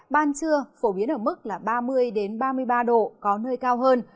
ban trưa phổ biến ở mức ba mươi ba mươi ba độ có nơi cao hơn